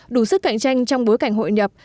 đủ sức cạnh tranh trong bối cảnh hội nhập